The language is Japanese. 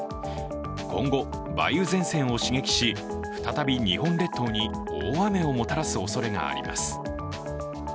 今後、梅雨前線を刺激し再び日本列島に大雨をもたらすおそれがあります。